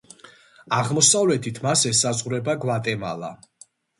აღმოსავლეთით მას ასევე ესაზღვრება გვატემალა.